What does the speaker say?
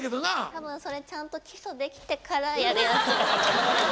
多分それちゃんと基礎できてからやるやつ。